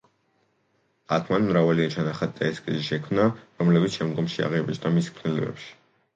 აქ მან მრავალი ჩანახატი და ესკიზი შექმნა, რომლებიც შემდგომში აღიბეჭდა მის ქმნილებებში.